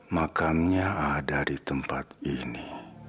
makamnya ada di tempat ini